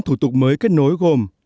năm thủ tục mới kết nối gồm